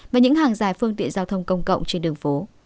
và những hàng dài phương tiện giao thông công cộng trên đường phố